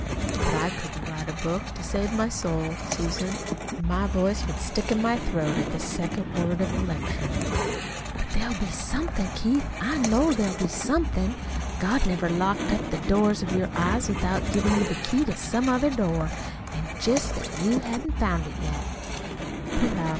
But I couldn't write a book to save my soul, Susan, and my voice would stick in my throat at the second word of a 'lecturing.'" "But there'll be somethin', Keith, I know there'll be somethin'. God never locked up the doors of your eyes without givin' you the key to some other door. It's jest that you hain't found it yet." "Perhaps.